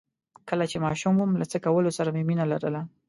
کله چې ماشوم وم له څه کولو سره مې مينه لرله؟